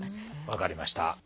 分かりました。